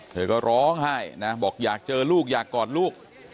เธอก็ร้องไห้นะบอกอยากเจอลูกอยากกอดลูก